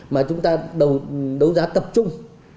mà chúng ta đấu giá tập trung